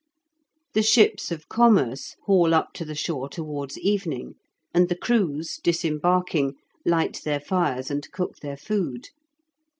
The ships of commerce haul up to the shore towards evening, and the crews, disembarking, light their fires and cook their food.